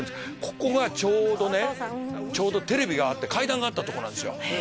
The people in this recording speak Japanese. ここがちょうどねちょうどテレビがあって階段があったとこなんですよ